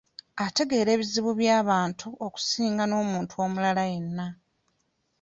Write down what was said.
Ategeera ebizibu by'abantu okusinga n'omuntu omulala yenna.